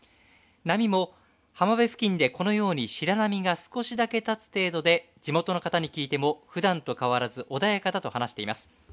波も浜辺付近でこのように白波が少しだけ立つ程度で地元の方に聞いてもふだんと変わらず穏やかだと話しています。